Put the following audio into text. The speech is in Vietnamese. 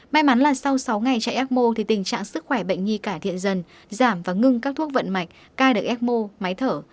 may mắn là sau sáu ngày chạy ecmo thì tình trạng sức khỏe bệnh nhi cải thiện dần giảm và ngưng các thuốc vận mạch cai được ecmo máy thở